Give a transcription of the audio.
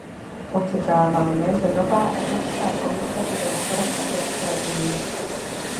Očekáváme, že nová Evropská komise bude motorem Evropské unie.